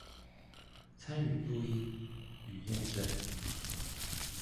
參與錄音與驗證